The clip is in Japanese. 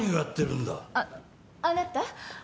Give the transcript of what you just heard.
あっあなた。